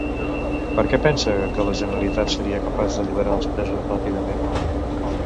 Per què pensa que la Generalitat seria capaç d'alliberar els presos ràpidament?